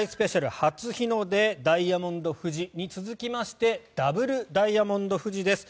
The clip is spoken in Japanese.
初日の出ダイヤモンドに続きましてダブルダイヤモンド富士です。